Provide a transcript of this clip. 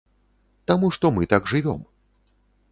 Таму што мы так жывём.